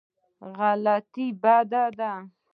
غلطي بد دی.